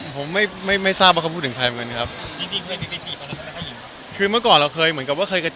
ผมไม่ทราบว่าเขาพูดถึงใครเหมือนกันครับ